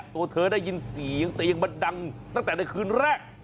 ตัวเธอได้ยินเสียงเตียงมันดังตั้งแต่ในคืนแรก